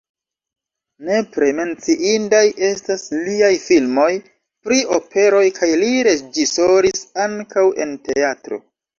Nepre menciindaj estas liaj filmoj pri operoj kaj li reĝisoris ankaŭ en teatro.